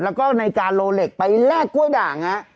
แล้วก็ในการโลเหล็กไปแลกกล้วยด่างฮะ